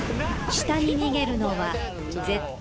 ［下に逃げるのは絶対に］